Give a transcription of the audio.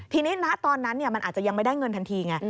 ทีนี้ณตอนนั้นมันอาจจะยังไม่ได้เงินทันทีไง